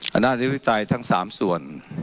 อำนาจอธิปไตยทั้ง๓ส่วน